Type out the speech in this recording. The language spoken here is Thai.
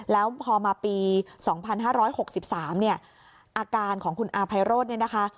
แล้วพอมาปีสองพันห้าร้อยหกสิบสามเนี้ยอาการของคุณอาภัยโรดเนี้ยนะคะ